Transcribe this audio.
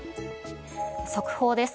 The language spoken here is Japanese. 速報です。